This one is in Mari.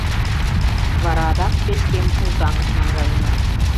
— Вара адак печкем Озаҥыш наҥгаена.